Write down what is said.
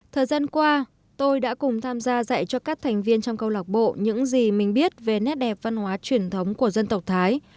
thời gian qua tôi đã cùng tham gia dạy cho các thành viên trong câu lạc bộ những gì mình biết về nét đẹp văn hóa truyền thống của dân tộc thái